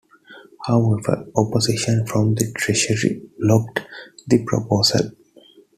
However, opposition from the Treasury blocked the proposal.